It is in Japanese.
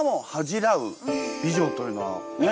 というのはねえ？